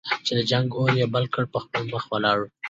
چې د جنګ اور یې بل کړ په خپله مخه ولاړ.